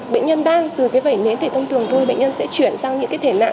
bệnh nhân đang từ vẩy nến tẩy thông thường thôi bệnh nhân sẽ chuyển sang những thể nạn